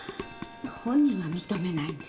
本人は認めないんですけど。